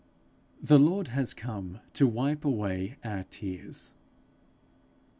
The Lord has come to wipe away our tears.